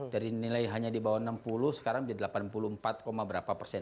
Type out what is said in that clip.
dari nilai hanya di bawah enam puluh sekarang menjadi delapan puluh empat berapa persen